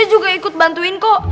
saya juga ikut bantuin kok